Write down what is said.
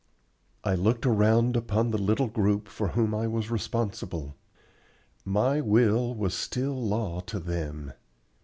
I looked around upon the little group for whom I was responsible. My will was still law to them.